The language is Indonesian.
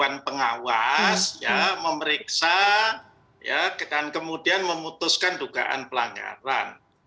ya kemudian bergantung nanti bagaimana dewan pengawas memeriksa dan kemudian memutuskan dugaan pelanggaran